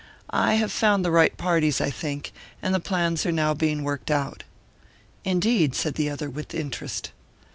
I have found the right parties, I think, and the plans are now being worked out." "Indeed," said the other, with interest.